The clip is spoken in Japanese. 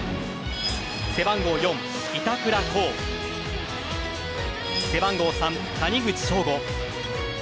背番号４・板倉滉背番号３・谷口彰悟